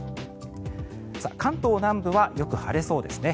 関東南部はよく晴れそうですね。